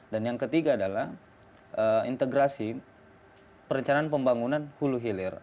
dan yang ketiga adalah integrasi perencanaan pembangunan hulu hilir